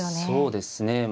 そうですね